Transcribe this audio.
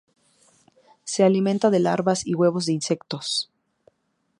Se alimenta de larvas y huevos de insectos.